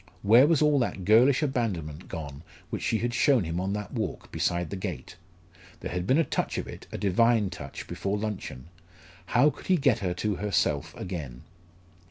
Where was all that girlish abandonment gone which she had shown him on that walk, beside the gate? There had been a touch of it, a divine touch, before luncheon. How could he get her to himself again?